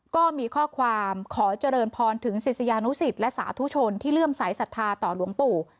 ก็มีข้อความขอเจริญพรถึงศิษยานุสิตและสาธุชนที่เลื่อมสายศรัทธาต่อหลวงปู่